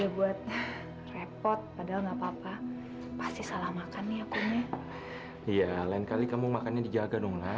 ibuleh repot adal nggak papa pasti salah makan nih akunnya iya lain kali kamu makannya dijaga bener bener ya